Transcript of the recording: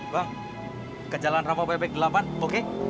bang ke jalan rampo pepek delapan oke